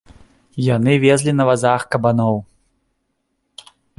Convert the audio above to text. Яны везлі на вазах кабаноў.